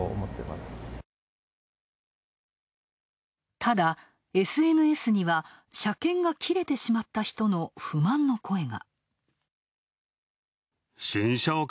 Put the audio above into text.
ただ、ＳＮＳには、車検が切れてしまった人の不満の声が。